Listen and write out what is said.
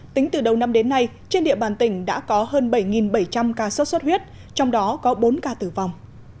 tính từ đầu năm đến nay trên địa bàn tỉnh đã có hơn bảy bảy trăm linh ca sốt xuất huyết trong đó có bốn ca tử vong